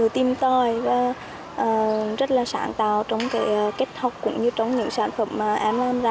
tư tìm tòi và rất là sáng tạo trong cái kết hợp cũng như trong những sản phẩm mà em làm ra